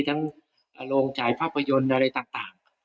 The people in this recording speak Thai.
ทั้งโรงจ่ายภาพยนตร์อะไรต่าง